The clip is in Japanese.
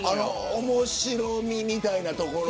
面白みみたいなところ。